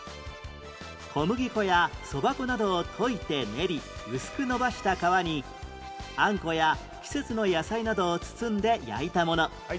小麦粉やそば粉などを溶いて練り薄く延ばした皮にあんこや季節の野菜などを包んで焼いたもの。